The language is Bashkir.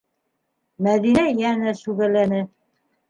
Мәҙинә йәнә сүгәләне.